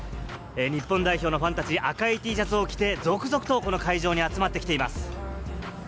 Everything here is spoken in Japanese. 日本代表のファンたち、赤いＴシャツを着て、続々とこの会場に集まってきています。